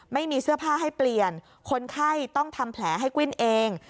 ไม่มีเสื้อผ้าให้เปลี่ยนคนไข้ต้องทำแผลให้กวิ้นเอง